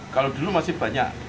kalau dulu masih banyak